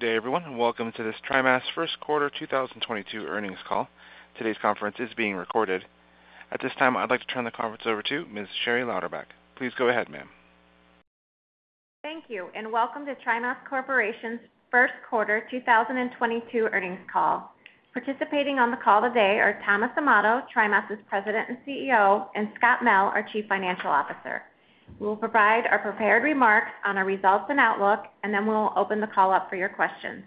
Good day, everyone, and welcome to this TriMas first quarter 2022 earnings call. Today's conference is being recorded. At this time, I'd like to turn the conference over to Ms. Sherry Lauderback. Please go ahead, ma'am. Thank you, and welcome to TriMas Corporation's first quarter 2022 earnings call. Participating on the call today are Thomas Amato, TriMas' President and CEO, and Scott Mell, our Chief Financial Officer. We will provide our prepared remarks on our results and outlook, and then we'll open the call up for your questions.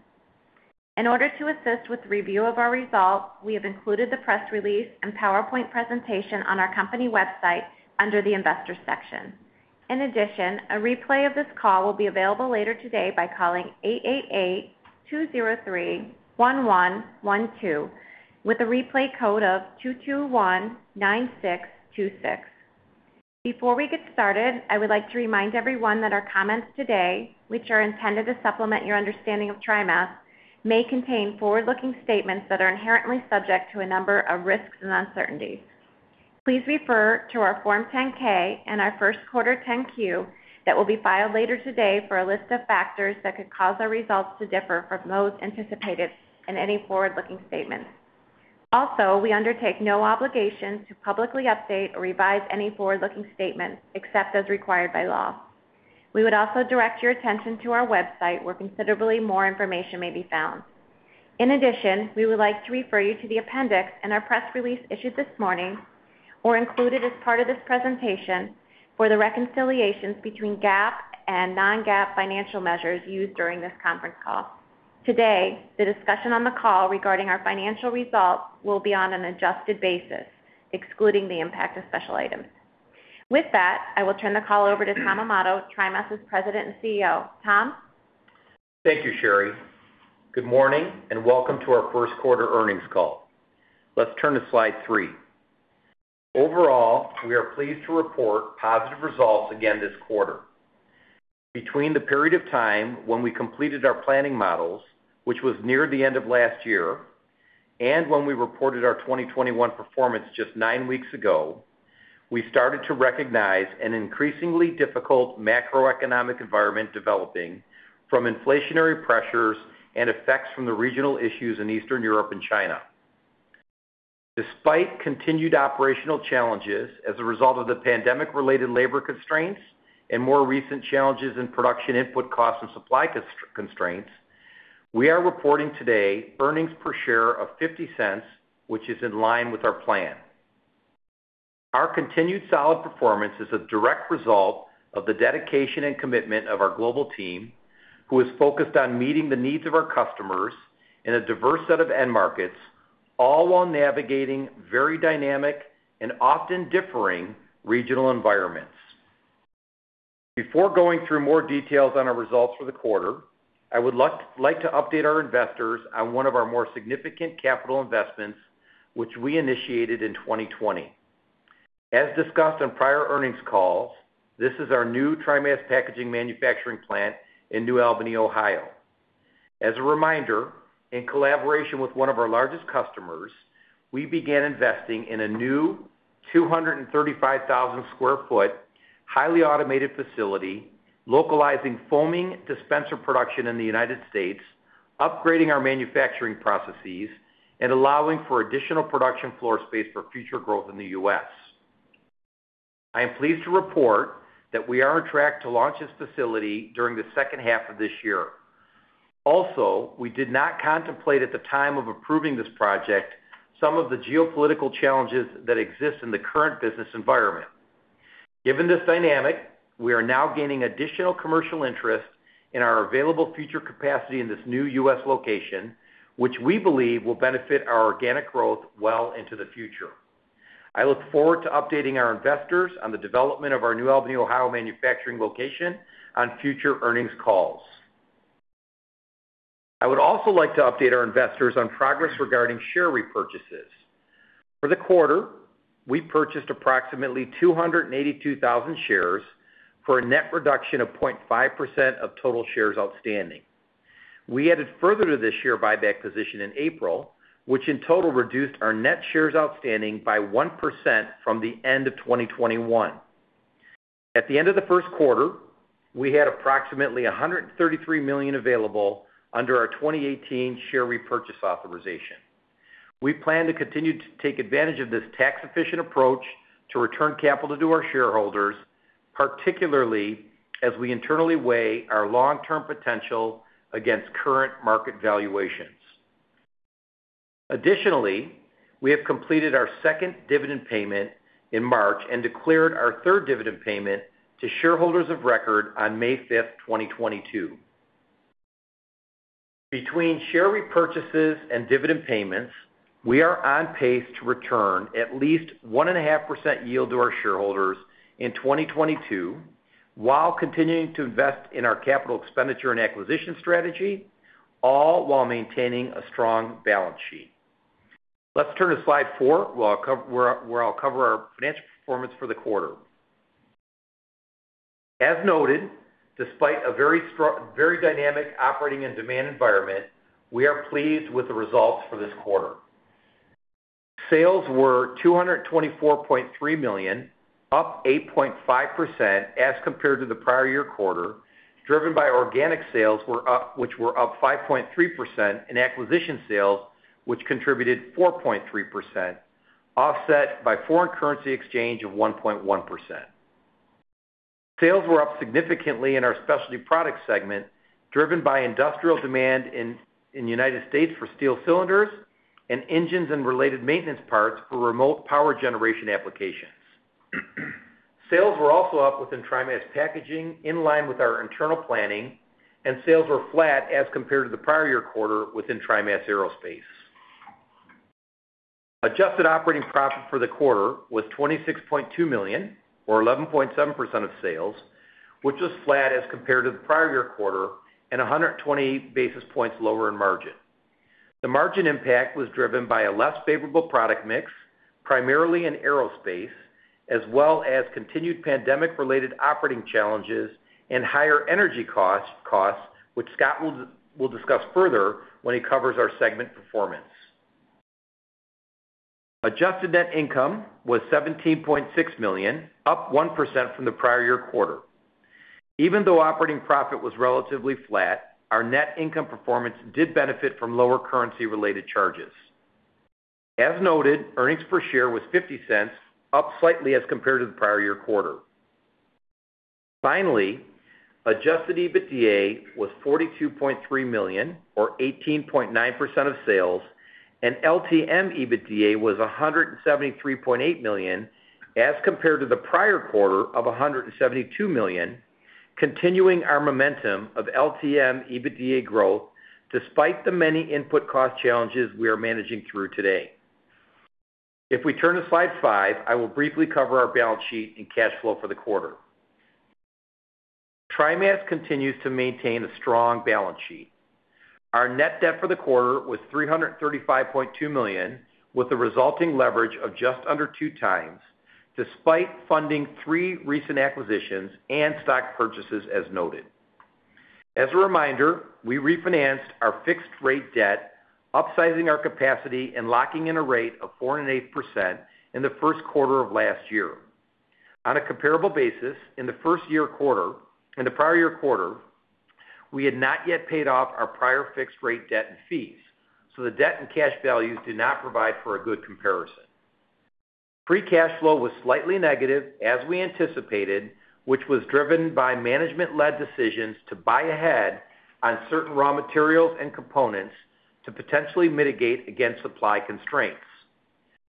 In order to assist with review of our results, we have included the press release and PowerPoint presentation on our company website under the Investors section. In addition, a replay of this call will be available later today by calling 888-203-1112, with a replay code of 2219626. Before we get started, I would like to remind everyone that our comments today, which are intended to supplement your understanding of TriMas, may contain forward-looking statements that are inherently subject to a number of risks and uncertainties. Please refer to our Form 10-K and our first quarter 10-Q that will be filed later today for a list of factors that could cause our results to differ from those anticipated in any forward-looking statements. Also, we undertake no obligation to publicly update or revise any forward-looking statements except as required by law. We would also direct your attention to our website, where considerably more information may be found. In addition, we would like to refer you to the appendix in our press release issued this morning or included as part of this presentation for the reconciliations between GAAP and non-GAAP financial measures used during this conference call. Today, the discussion on the call regarding our financial results will be on an adjusted basis, excluding the impact of special items. With that, I will turn the call over to Tom Amato, TriMas' President and CEO. Tom? Thank you, Sherry. Good morning, and welcome to our first quarter earnings call. Let's turn to slide three. Overall, we are pleased to report positive results again this quarter. Between the period of time when we completed our planning models, which was near the end of last year, and when we reported our 2021 performance just nine weeks ago, we started to recognize an increasingly difficult macroeconomic environment developing from inflationary pressures and effects from the regional issues in Eastern Europe and China. Despite continued operational challenges as a result of the pandemic-related labor constraints and more recent challenges in production input costs and supply constraints, we are reporting today earnings per share of $0.50, which is in line with our plan. Our continued solid performance is a direct result of the dedication and commitment of our global team, who is focused on meeting the needs of our customers in a diverse set of end markets, all while navigating very dynamic and often differing regional environments. Before going through more details on our results for the quarter, I would like to update our investors on one of our more significant capital investments, which we initiated in 2020. As discussed on prior earnings calls, this is our new TriMas Packaging manufacturing plant in New Albany, Ohio. As a reminder, in collaboration with one of our largest customers, we began investing in a new 235,000 sq ft, highly automated facility, localizing foaming dispenser production in the United States, upgrading our manufacturing processes, and allowing for additional production floor space for future growth in the U.S. I am pleased to report that we are on track to launch this facility during the second half of this year. Also, we did not contemplate at the time of approving this project some of the geopolitical challenges that exist in the current business environment. Given this dynamic, we are now gaining additional commercial interest in our available future capacity in this new U.S. location, which we believe will benefit our organic growth well into the future. I look forward to updating our investors on the development of our New Albany, Ohio manufacturing location on future earnings calls. I would also like to update our investors on progress regarding share repurchases. For the quarter, we purchased approximately 282,000 shares for a net reduction of 0.5% of total shares outstanding. We added further to this share buyback position in April, which in total reduced our net shares outstanding by 1% from the end of 2021. At the end of the first quarter, we had approximately 133 million available under our 2018 share repurchase authorization. We plan to continue to take advantage of this tax-efficient approach to return capital to our shareholders, particularly as we internally weigh our long-term potential against current market valuations. Additionally, we have completed our second dividend payment in March and declared our third dividend payment to shareholders of record on May 5th, 2022. Between share repurchases and dividend payments, we are on pace to return at least 1.5% yield to our shareholders in 2022, while continuing to invest in our capital expenditure and acquisition strategy, all while maintaining a strong balance sheet. Let's turn to slide four, where I'll cover our financial performance for the quarter. As noted, despite a very dynamic operating and demand environment, we are pleased with the results for this quarter. Sales were $224.3 million, up 8.5% as compared to the prior year quarter, driven by organic sales, which were up 5.3% and acquisition sales, which contributed 4.3%, offset by foreign currency exchange of 1.1%. Sales were up significantly in our Specialty Products segment, driven by industrial demand in the United States for steel cylinders and engines and related maintenance parts for remote power generation applications. Sales were also up within TriMas Packaging, in line with our internal planning, and sales were flat as compared to the prior year quarter within TriMas Aerospace. Adjusted operating profit for the quarter was $26.2 million, or 11.7% of sales, which was flat as compared to the prior year quarter and 120 basis points lower in margin. The margin impact was driven by a less favorable product mix, primarily in aerospace, as well as continued pandemic-related operating challenges and higher energy costs which Scott will discuss further when he covers our segment performance. Adjusted net income was $17.6 million, up 1% from the prior year quarter. Even though operating profit was relatively flat, our net income performance did benefit from lower currency-related charges. As noted, earnings per share was $0.50, up slightly as compared to the prior year quarter. Finally, adjusted EBITDA was $42.3 million, or 18.9% of sales, and LTM EBITDA was $173.8 million, as compared to the prior quarter of $172 million, continuing our momentum of LTM EBITDA growth despite the many input cost challenges we are managing through today. If we turn to slide five, I will briefly cover our balance sheet and cash flow for the quarter. TriMas continues to maintain a strong balance sheet. Our net debt for the quarter was $335.2 million, with the resulting leverage of just under 2x, despite funding three recent acquisitions and stock purchases, as noted. As a reminder, we refinanced our fixed rate debt, upsizing our capacity and locking in a rate of 4.8% in the first quarter of last year. On a comparable basis, in the prior year quarter, we had not yet paid off our prior fixed rate debt and fees, so the debt and cash values did not provide for a good comparison. Free cash flow was slightly negative, as we anticipated, which was driven by management-led decisions to buy ahead on certain raw materials and components to potentially mitigate against supply constraints.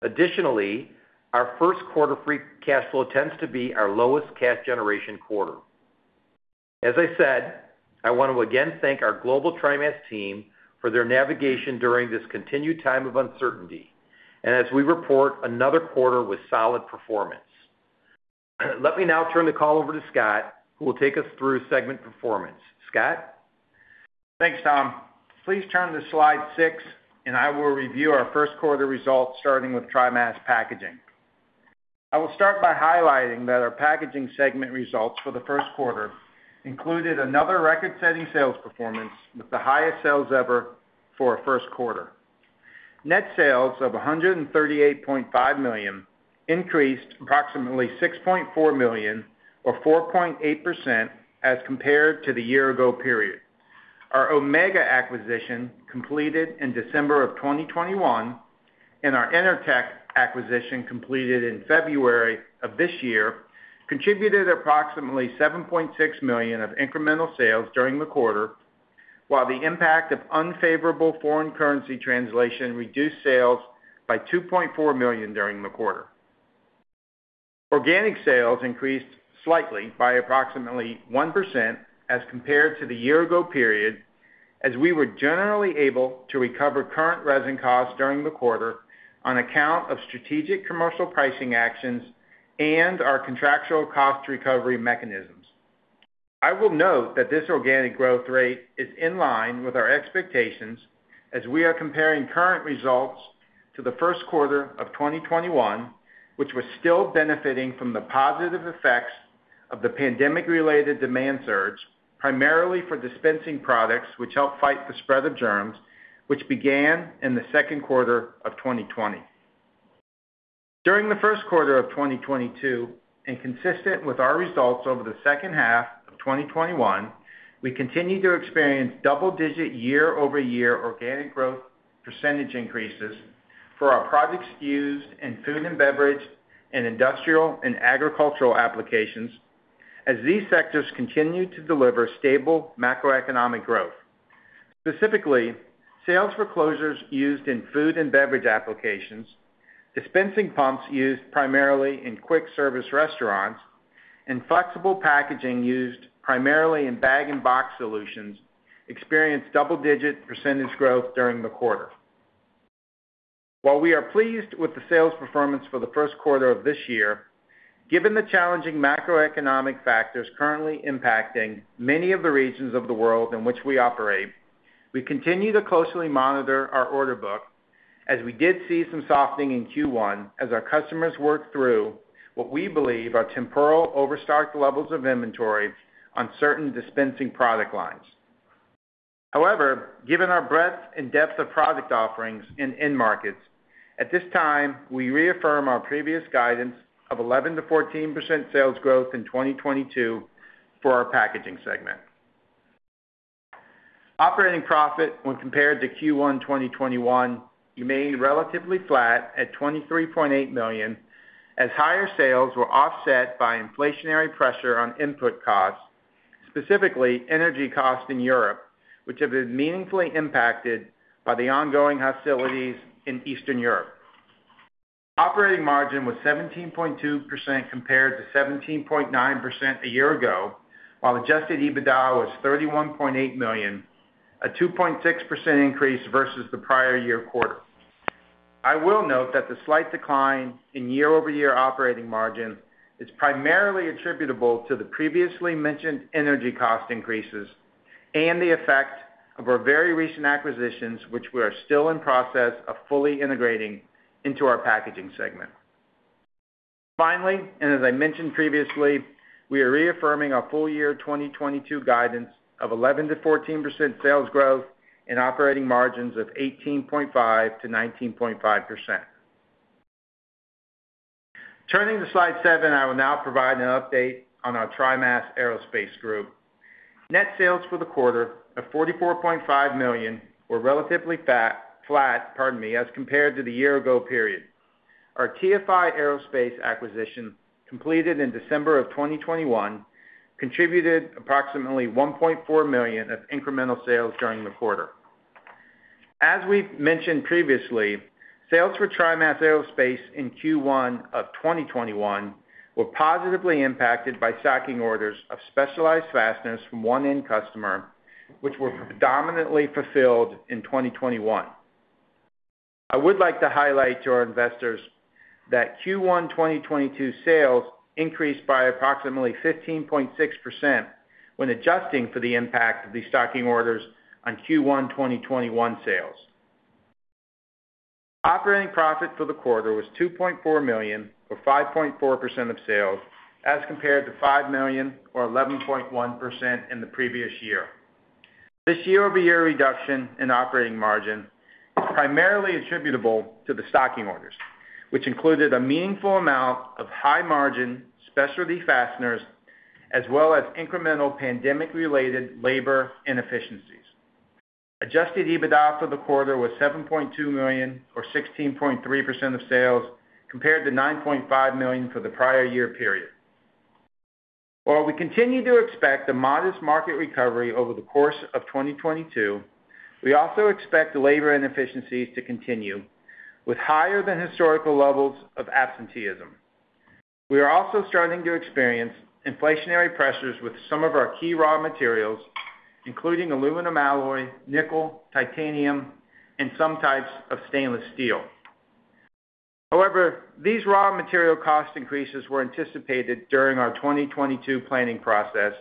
Additionally, our first quarter free cash flow tends to be our lowest cash generation quarter. As I said, I want to again thank our global TriMas team for their navigation during this continued time of uncertainty, and as we report another quarter with solid performance. Let me now turn the call over to Scott, who will take us through segment performance. Scott? Thanks, Tom. Please turn to slide six, and I will review our first quarter results, starting with TriMas Packaging. I will start by highlighting that our packaging segment results for the first quarter included another record-setting sales performance, with the highest sales ever for a first quarter. Net sales of $138.5 million increased approximately $6.4 million, or 4.8%, as compared to the year ago period. Our Omega acquisition, completed in December 2021, and our Intertech acquisition, completed in February of this year, contributed approximately $7.6 million of incremental sales during the quarter, while the impact of unfavorable foreign currency translation reduced sales by $2.4 million during the quarter. Organic sales increased slightly by approximately 1% as compared to the year ago period, as we were generally able to recover current resin costs during the quarter on account of strategic commercial pricing actions and our contractual cost recovery mechanisms. I will note that this organic growth rate is in line with our expectations as we are comparing current results to the first quarter of 2021, which was still benefiting from the positive effects of the pandemic-related demand surge, primarily for dispensing products, which help fight the spread of germs, which began in the second quarter of 2020. During the first quarter of 2022, and consistent with our results over the second half of 2021, we continued to experience double-digit year-over-year organic growth percentage increases for our products used in food and beverage and industrial and agricultural applications, as these sectors continue to deliver stable macroeconomic growth. Specifically, sales for closures used in food and beverage applications, dispensing pumps used primarily in quick service restaurants, and flexible packaging used primarily in bag-in-box solutions, experienced double-digit percentage growth during the quarter. While we are pleased with the sales performance for the first quarter of this year, given the challenging macroeconomic factors currently impacting many of the regions of the world in which we operate, we continue to closely monitor our order book as we did see some softening in Q1 as our customers work through what we believe are temporary overstock levels of inventory on certain dispensing product lines. However, given our breadth and depth of product offerings in end markets, at this time, we reaffirm our previous guidance of 11%-14% sales growth in 2022 for our packaging segment. Operating profit when compared to Q1 2021 remained relatively flat at $23.8 million, as higher sales were offset by inflationary pressure on input costs, specifically energy costs in Europe, which have been meaningfully impacted by the ongoing hostilities in Eastern Europe. Operating margin was 17.2% compared to 17.9% a year ago, while adjusted EBITDA was $31.8 million, a 2.6% increase versus the prior year quarter. I will note that the slight decline in year-over-year operating margin is primarily attributable to the previously mentioned energy cost increases and the effect of our very recent acquisitions, which we are still in process of fully integrating into our packaging segment. Finally, as I mentioned previously, we are reaffirming our full year 2022 guidance of 11%-14% sales growth and operating margins of 18.5%-19.5%. Turning to slide seven, I will now provide an update on our TriMas Aerospace group. Net sales for the quarter of $44.5 million were relatively flat, pardon me, as compared to the year ago period. Our TFI Aerospace acquisition, completed in December 2021, contributed approximately $1.4 million of incremental sales during the quarter. As we've mentioned previously, sales for TriMas Aerospace in Q1 of 2021 were positively impacted by stocking orders of specialty fasteners from one end customer, which were predominantly fulfilled in 2021. I would like to highlight to our investors that Q1 2022 sales increased by approximately 15.6% when adjusting for the impact of these stocking orders on Q1 2021 sales. Operating profit for the quarter was $2.4 million or 5.4% of sales as compared to $5 million or 11.1% in the previous year. This year-over-year reduction in operating margin is primarily attributable to the stocking orders, which included a meaningful amount of high-margin specialty fasteners as well as incremental pandemic-related labor inefficiencies. Adjusted EBITDA for the quarter was $7.2 million or 16.3% of sales, compared to $9.5 million for the prior year period. While we continue to expect a modest market recovery over the course of 2022, we also expect labor inefficiencies to continue with higher than historical levels of absenteeism. We are also starting to experience inflationary pressures with some of our key raw materials, including aluminum alloy, nickel, titanium, and some types of stainless steel. However, these raw material cost increases were anticipated during our 2022 planning process,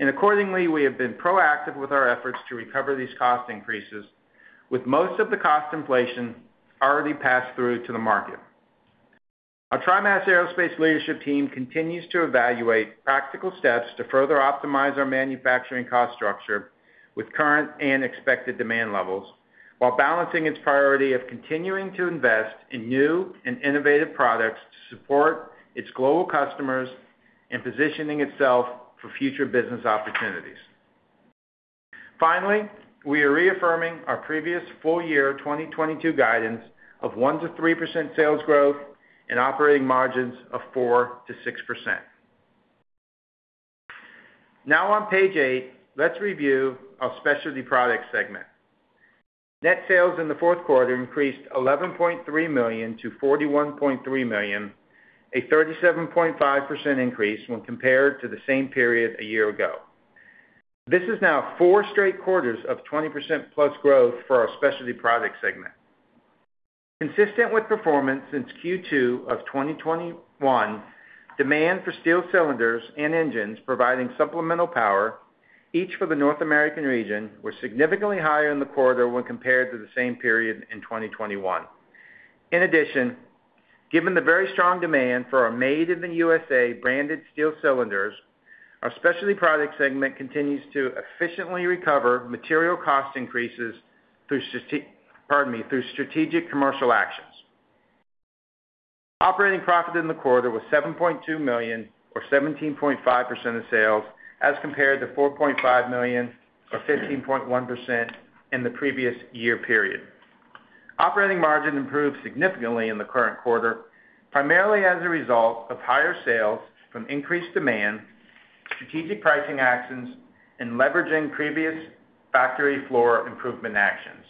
and accordingly, we have been proactive with our efforts to recover these cost increases, with most of the cost inflation already passed through to the market. Our TriMas Aerospace leadership team continues to evaluate practical steps to further optimize our manufacturing cost structure with current and expected demand levels while balancing its priority of continuing to invest in new and innovative products to support its global customers and positioning itself for future business opportunities. Finally, we are reaffirming our previous full year 2022 guidance of 1%-3% sales growth and operating margins of 4%-6%. Now on page eight, let's review our Specialty Products segment. Net sales in the fourth quarter increased $11.3 million to $41.3 million, a 37.5% increase when compared to the same period a year ago. This is now four straight quarters of 20%+ growth for our Specialty Products segment. Consistent with performance since Q2 of 2021, demand for steel cylinders and engines providing supplemental power, each for the North American region, were significantly higher in the quarter when compared to the same period in 2021. In addition, given the very strong demand for our Made in the U.S.A. branded steel cylinders, our Specialty Products segment continues to efficiently recover material cost increases through strategic commercial actions. Operating profit in the quarter was $7.2 million or 17.5% of sales as compared to $4.5 million or 15.1% in the previous year period. Operating margin improved significantly in the current quarter, primarily as a result of higher sales from increased demand, strategic pricing actions, and leveraging previous factory floor improvement actions.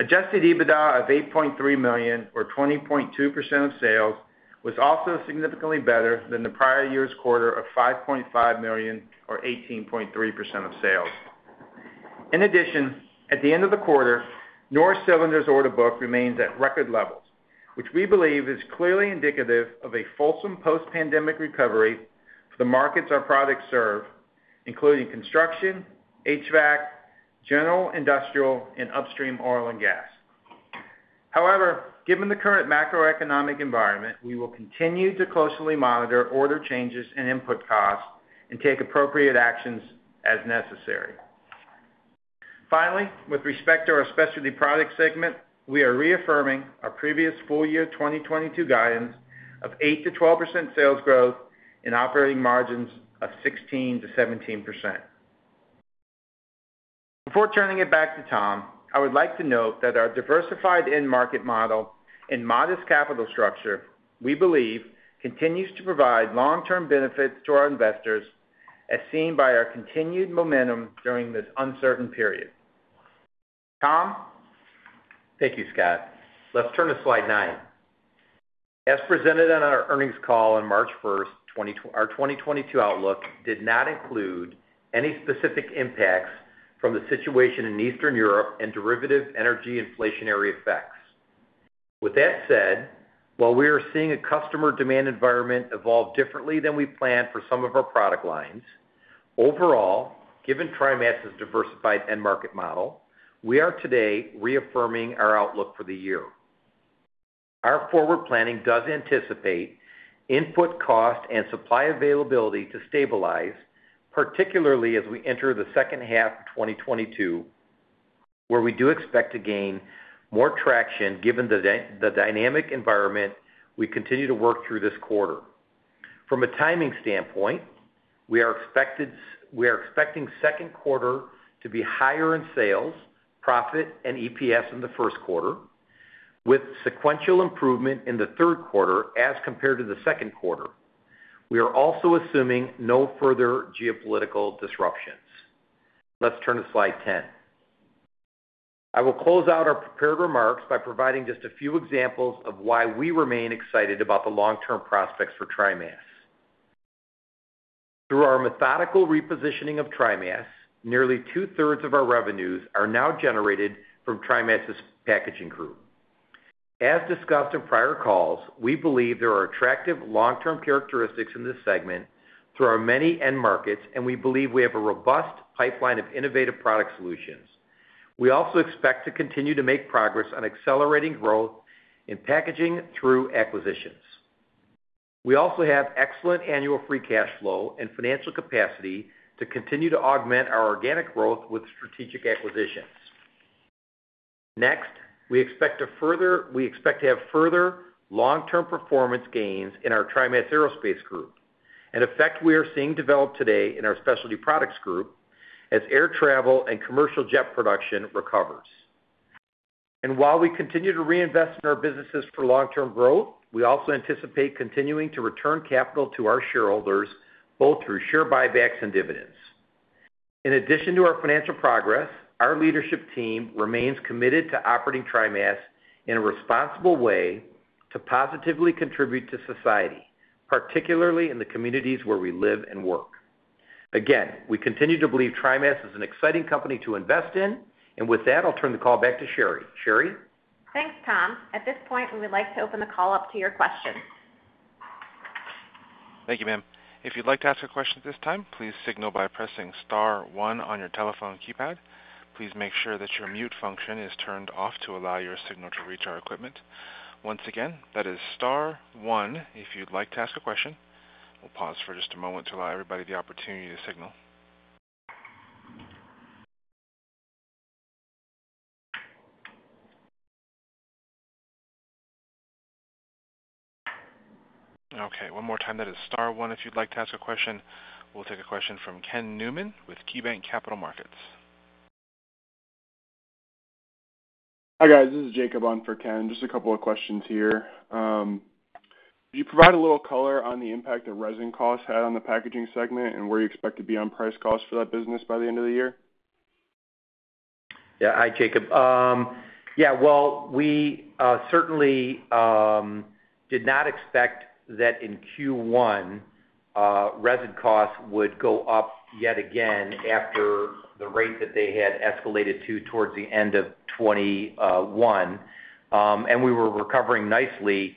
Adjusted EBITDA of $8.3 million or 20.2% of sales was also significantly better than the prior year's quarter of $5.5 million or 18.3% of sales. In addition, at the end of the quarter, Norris Cylinder order book remains at record levels, which we believe is clearly indicative of a fulsome post-pandemic recovery for the markets our products serve, including construction, HVAC, general industrial, and upstream oil and gas. However, given the current macroeconomic environment, we will continue to closely monitor order changes and input costs and take appropriate actions as necessary. Finally, with respect to our Specialty Products segment, we are reaffirming our previous full-year 2022 guidance of 8%-12% sales growth and operating margins of 16%-17%. Before turning it back to Tom, I would like to note that our diversified end market model and modest capital structure, we believe, continues to provide long-term benefits to our investors as seen by our continued momentum during this uncertain period. Tom? Thank you, Scott. Let's turn to slide nine. As presented on our earnings call on March 1st, 2022, our 2022 outlook did not include any specific impacts from the situation in Eastern Europe and derivative energy inflationary effects. With that said, while we are seeing a customer demand environment evolve differently than we planned for some of our product lines, overall, given TriMas's diversified end market model, we are today reaffirming our outlook for the year. Our forward planning does anticipate input cost and supply availability to stabilize, particularly as we enter the second half of 2022, where we do expect to gain more traction given the dynamic environment we continue to work through this quarter. From a timing standpoint, we are expecting second quarter to be higher in sales, profit, and EPS in the first quarter, with sequential improvement in the third quarter as compared to the second quarter. We are also assuming no further geopolitical disruptions. Let's turn to slide 10. I will close out our prepared remarks by providing just a few examples of why we remain excited about the long-term prospects for TriMas. Through our methodical repositioning of TriMas, nearly 2/3 of our revenues are now generated from TriMas's packaging group. As discussed in prior calls, we believe there are attractive long-term characteristics in this segment through our many end markets, and we believe we have a robust pipeline of innovative product solutions. We also expect to continue to make progress on accelerating growth in packaging through acquisitions. We also have excellent annual free cash flow and financial capacity to continue to augment our organic growth with strategic acquisitions. We expect to have further long-term performance gains in our TriMas Aerospace group, an effect we are seeing develop today in our specialty products group as air travel and commercial jet production recovers. While we continue to reinvest in our businesses for long-term growth, we also anticipate continuing to return capital to our shareholders, both through share buybacks and dividends. In addition to our financial progress, our leadership team remains committed to operating TriMas in a responsible way to positively contribute to society, particularly in the communities where we live and work. Again, we continue to believe TriMas is an exciting company to invest in. With that, I'll turn the call back to Sherry. Sherry? Thanks, Tom. At this point, we'd like to open the call up to your questions. Thank you, ma'am. If you'd like to ask a question at this time, please signal by pressing star one on your telephone keypad. Please make sure that your mute function is turned off to allow your signal to reach our equipment. Once again, that is star one if you'd like to ask a question. We'll pause for just a moment to allow everybody the opportunity to signal. Okay. One more time. That is star one if you'd like to ask a question. We'll take a question from Ken Newman with KeyBanc Capital Markets. Hi, guys. This is Jacob on for Ken. Just a couple of questions here. Could you provide a little color on the impact that resin costs had on the packaging segment and where you expect to be on price costs for that business by the end of the year? Yeah. Hi, Jacob. We certainly did not expect that in Q1 resin costs would go up yet again after the rate that they had escalated to towards the end of 2021, and we were recovering nicely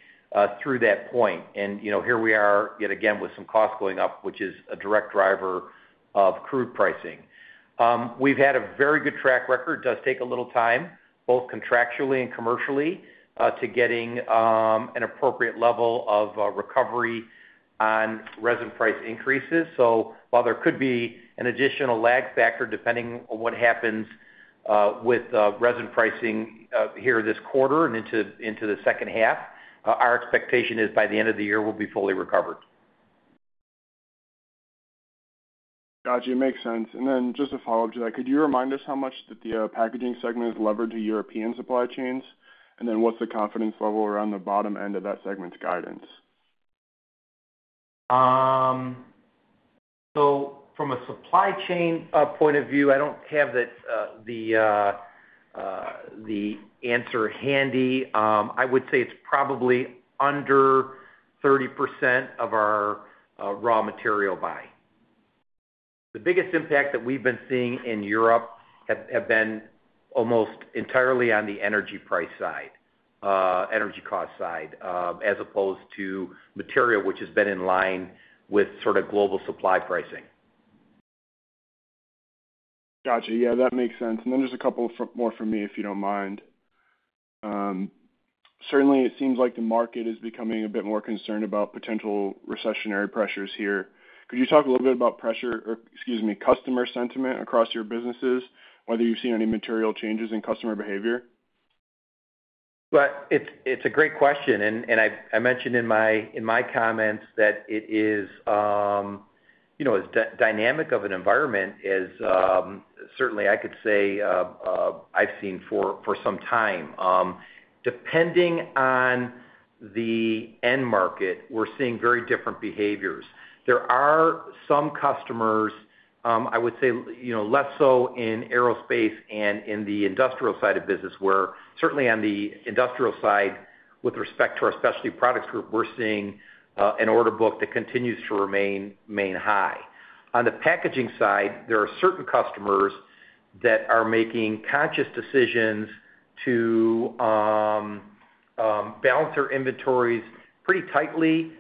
through that point. You know, here we are yet again with some costs going up, which is a direct driver of crude pricing. We've had a very good track record. It does take a little time, both contractually and commercially, to getting an appropriate level of recovery on resin price increases. While there could be an additional lag factor, depending on what happens with resin pricing here this quarter and into the second half, our expectation is by the end of the year, we'll be fully recovered. Gotcha. Makes sense. Just a follow-up to that, could you remind us how much that the packaging segment is levered to European supply chains? What's the confidence level around the bottom end of that segment's guidance? From a supply chain point of view, I don't have the answer handy. I would say it's probably under 30% of our raw material buy. The biggest impact that we've been seeing in Europe have been almost entirely on the energy price side, energy cost side, as opposed to material, which has been in line with sort of global supply pricing. Gotcha. Yeah, that makes sense. Just a couple more from me, if you don't mind. Certainly it seems like the market is becoming a bit more concerned about potential recessionary pressures here. Could you talk a little bit about customer sentiment across your businesses, whether you've seen any material changes in customer behavior? It's a great question, and I mentioned in my comments that it is, you know, as dynamic an environment as certainly I could say I've seen for some time. Depending on the end market, we're seeing very different behaviors. There are some customers, I would say, less so in aerospace and in the industrial side of business, where certainly on the industrial side, with respect to our specialty products group, we're seeing an order book that continues to remain high. On the packaging side, there are certain customers that are making conscious decisions to balance their inventories pretty tightly.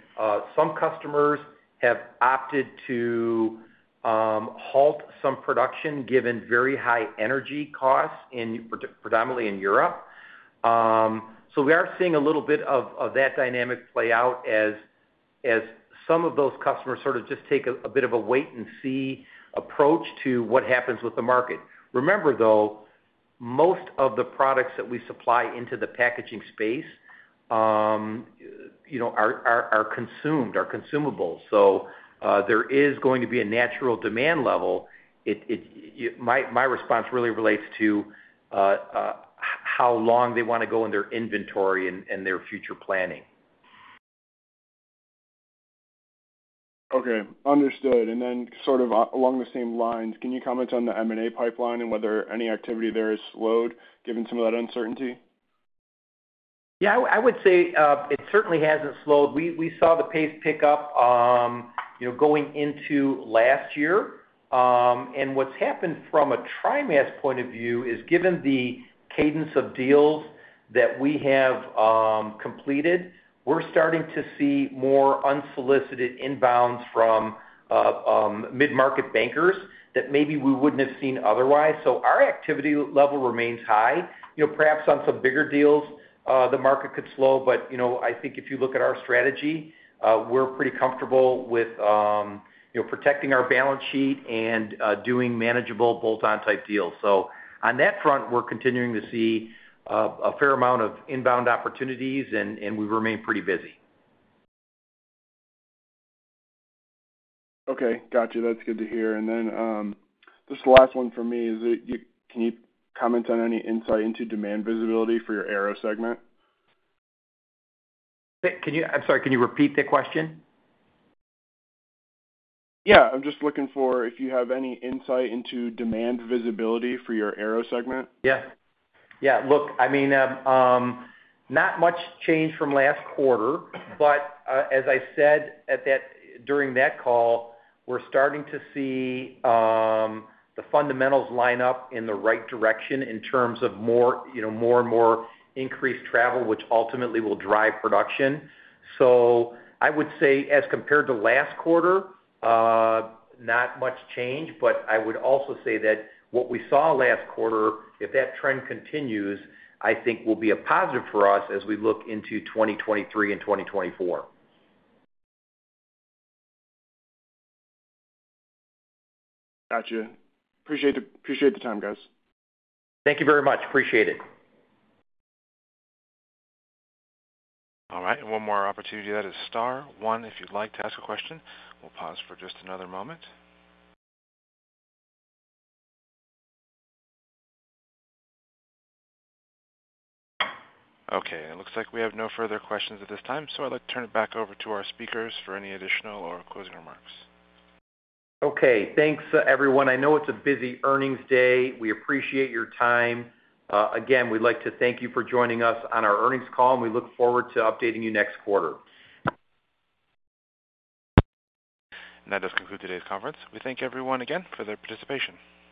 Some customers have opted to halt some production given very high energy costs in predominantly in Europe. We are seeing a little bit of that dynamic play out as some of those customers sort of just take a bit of a wait and see approach to what happens with the market. Remember, though, most of the products that we supply into the packaging space, you know, are consumable. There is going to be a natural demand level. My response really relates to how long they wanna go in their inventory and their future planning. Okay, understood. Sort of along the same lines, can you comment on the M&A pipeline and whether any activity there has slowed given some of that uncertainty? Yeah, I would say it certainly hasn't slowed. We saw the pace pick up, you know, going into last year. What's happened from a TriMas point of view is given the cadence of deals that we have completed, we're starting to see more unsolicited inbounds from mid-market bankers that maybe we wouldn't have seen otherwise. Our activity level remains high. You know, perhaps on some bigger deals the market could slow, but you know, I think if you look at our strategy, we're pretty comfortable with, you know, protecting our balance sheet and doing manageable bolt-on type deals. On that front, we're continuing to see a fair amount of inbound opportunities, and we remain pretty busy. Okay. Gotcha. That's good to hear. Just the last one from me is, you know, can you comment on any insight into demand visibility for your aero segment? I'm sorry, can you repeat the question? Yeah. I'm just looking for if you have any insight into demand visibility for your aero segment? Yeah. Yeah, look, I mean, not much change from last quarter, but as I said during that call, we're starting to see the fundamentals line up in the right direction in terms of more, you know, more and more increased travel, which ultimately will drive production. I would say as compared to last quarter, not much change, but I would also say that what we saw last quarter, if that trend continues, I think will be a positive for us as we look into 2023 and 2024. Gotcha. Appreciate the time, guys. Thank you very much. Appreciate it. All right, one more opportunity. That is star one if you'd like to ask a question. We'll pause for just another moment. Okay, it looks like we have no further questions at this time, so I'd like to turn it back over to our speakers for any additional or closing remarks. Okay, thanks everyone. I know it's a busy earnings day. We appreciate your time. Again, we'd like to thank you for joining us on our earnings call, and we look forward to updating you next quarter. That does conclude today's conference. We thank everyone again for their participation.